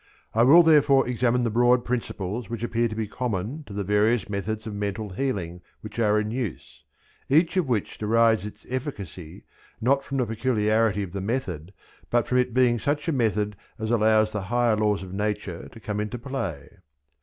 I will therefore examine the broad principles which appear to be common to the various methods of mental healing which are in use, each of which derives its efficacy, not from the peculiarity of the method, but from it being such a method as allows the higher laws of Nature to come into play.